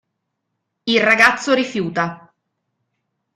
Il ragazzo rifiuta.